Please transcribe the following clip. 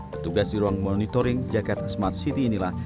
petugas di ruang monitoring jakarta smart city inilah